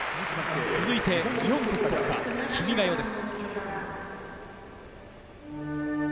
続いて日本国歌『君が代』です。